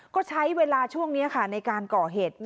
ก็ใช้เวลาช่วงนี้ค่ะในการก่อเหตุ